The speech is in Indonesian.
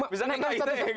bisa nengah ita ya